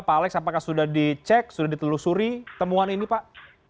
pak alex apakah sudah dicek sudah ditelusuri temuan ini pak